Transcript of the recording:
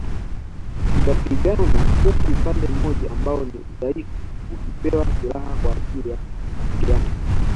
Zikapigane huku upande mmoja ambao ni dhaifu ukipewa silaha kwa ajili ya mapigano